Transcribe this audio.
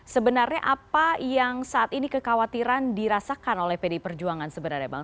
sebenarnya apa yang saat ini kekhawatiran dirasakan oleh pdi perjuangan sebenarnya bang